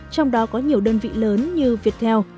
trong đó có nhiều đơn vị lớn như viettel